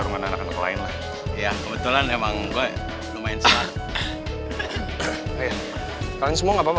cuma gak tau kenapa keseret jadi masalah kelompok